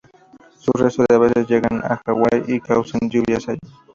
Sus restos a veces llegan a Hawai y causan lluvias allí.